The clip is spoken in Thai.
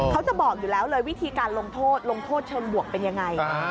เขาจะบอกอยู่แล้วเลยวิธีการลงโทษลงโทษเชิงบวกเป็นยังไง